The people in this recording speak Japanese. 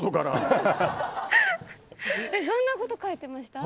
そんなこと書いてました？